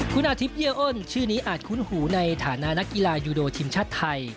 คุณอาทิพเยื่ออ้นชื่อนี้อาจคุ้นหูในฐานะนักกีฬายูโดทีมชาติไทย